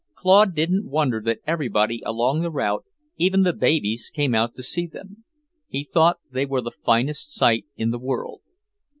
Claude didn't wonder that everybody along the route, even the babies, came out to see them; he thought they were the finest sight in the world.